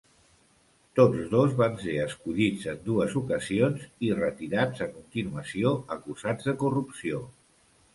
Tots dos van ser escollits en dues ocasions i retirats a continuació acusats de corrupció.